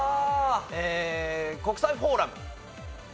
ええ国際フォーラム。